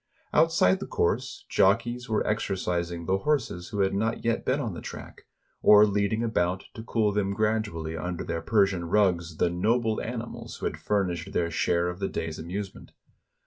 Outside the course, jockeys were exercising the horses who had not yet been on the track; or leading about, to cool them gradually under their Persian rugs, the noble animals who had furnished their share of the day's amusement.